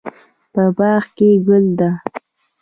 په باغ کې ګل ده